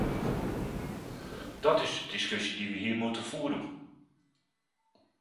Dat is de discussie die we hier moeten voeren!